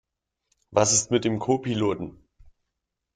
Was ist mit dem Co-Piloten?